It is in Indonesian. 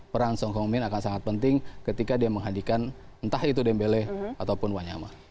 peran song hyo min akan sangat penting ketika dia menghadikan entah itu dembele ataupun wanyama